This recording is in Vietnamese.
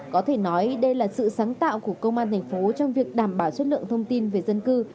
có thể nói đây là sự sáng tạo của công an thành phố trong việc đảm bảo chất lượng thông tin về dân cư